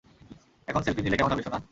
এখন সেলফি নিলে কেমন হবে, সোনা?